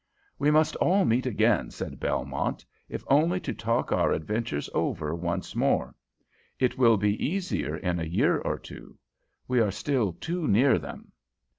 "We must all meet again," said Belmont, "if only to talk our adventures over once more. It will be easier in a year or two. We are still too near them."